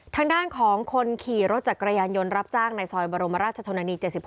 ทางด้านของคนขี่รถจักรยานยนต์รับจ้างในซอยบรมราชชนนานี๗๖